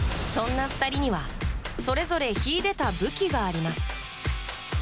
そんな２人にはそれぞれ秀でた武器があります。